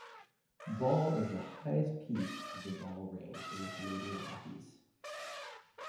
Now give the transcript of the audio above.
Ball is the highest peak of the Ball Range in the Canadian Rockies.